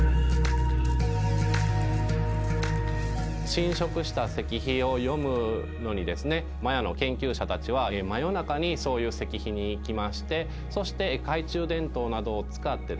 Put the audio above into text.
浸食した石碑を読むのにですねマヤの研究者たちは真夜中にそういう石碑に行きましてそして懐中電灯などを使ってですね